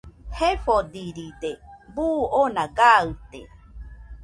Jefodiride, buu oona gaɨte